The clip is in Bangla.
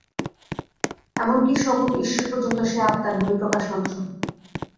এমন কি, সগুণ ঈশ্বর পর্যন্ত সেই আত্মার বহিঃপ্রকাশমাত্র।